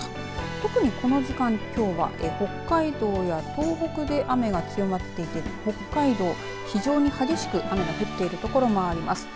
特にこの時間きょうは北海道や東北で雨が強まっていて北海道、非常に激しく雨が降っているところもあります。